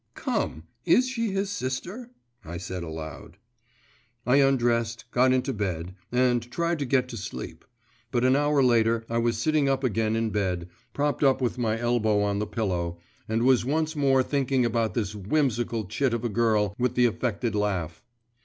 … 'Come, is she his sister?' I said aloud. I undressed, got into bed, and tried to get to sleep; but an hour later I was sitting up again in bed, propped up with my elbow on the pillow, and was once more thinking about this 'whimsical chit of a girl with the affected laugh.